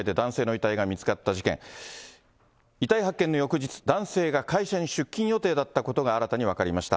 遺体発見の翌日、男性が会社に出勤予定だったことが新たに分かりました。